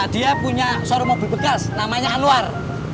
dia punya seorang mobil bekas namanya anwar